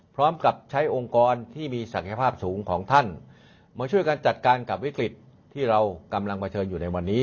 พร้อมกับใช้องค์กรที่มีศักยภาพสูงของท่านมาช่วยกันจัดการกับวิกฤตที่เรากำลังเผชิญอยู่ในวันนี้